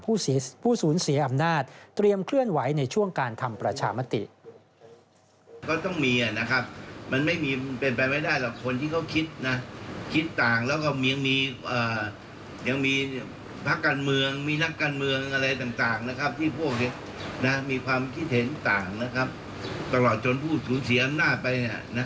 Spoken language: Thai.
ผู้สูญเสียอำนาจเตรียมเคลื่อนไหวในช่วงการทำประชามติ